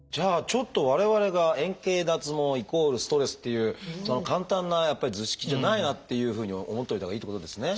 ちょっと我々が円形脱毛イコールストレスっていう簡単な図式じゃないなっていうふうに思っておいたほうがいいってことですね。